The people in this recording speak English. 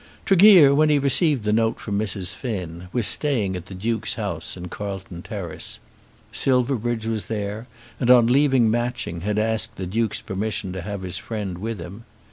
Tregear, when he received the note from Mrs. Finn, was staying at the Duke's house in Carlton Terrace. Silverbridge was there, and, on leaving Matching, had asked the Duke's permission to have his friend with him.